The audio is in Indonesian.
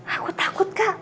aku takut kak